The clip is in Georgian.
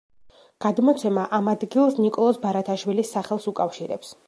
გადმოცემა ამ ადგილს ნიკოლოზ ბარათაშვილის სახელს უკავშირებს.